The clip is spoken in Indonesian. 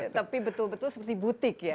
tapi betul betul seperti butik ya